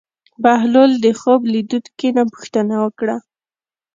بهلول د خوب لیدونکي نه پوښتنه وکړه.